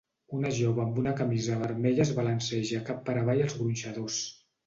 Una jove amb una camisa vermella es balanceja cap per avall als gronxadors